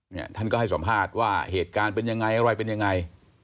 ท่านก็ให้สัมภาษณ์ว่าเหตุการณ์เป็นยังไงอะไรเป็นยังไง